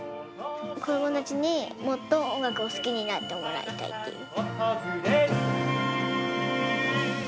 子どもたちにもっと音楽を好きになってもらいたいっていう。